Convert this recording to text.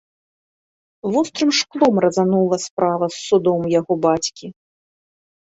Вострым шклом разанула справа з судом яго бацькі.